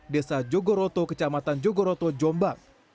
desa jogoroto kecamatan jogoroto jombang